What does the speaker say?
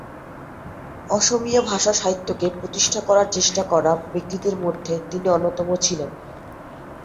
অসমীয়া ভাষা সাহিত্যকে প্রতিষ্ঠা করার চেষ্টা করা ব্যক্তিদের মধ্যে তিনি অন্যতম ছিলেন।।